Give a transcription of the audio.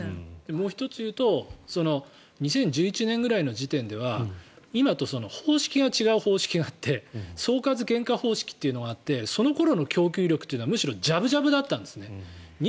もう１つ言うと２０１１年くらいの時点では今と方式が違う方式があって総括原価方式というのがあってその頃の供給力は、むしろジャブジャブだったんですね。